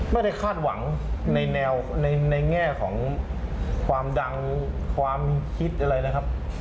ไม่ได้คาดหวังในแนวในแง่ของความดังความคิดอะไรนะครับ